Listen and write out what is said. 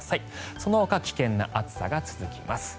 そのほか危険な暑さが続きます。